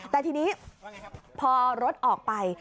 แต่ทีนี้พอรถออกไป